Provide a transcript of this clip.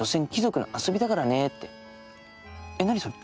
えっ何それ？